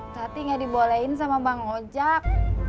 tapi nggak dibolehin sama bang ojak